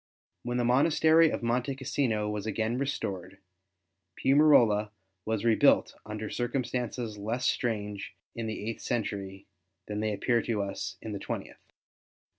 When the monastery of Monte Cassino was ST. BENEDICT 109 again restored, Piumarola was rebuilt under circumstances less strange in the eighth century than they appear to us in the twentieth.